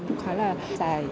cũng khá là dài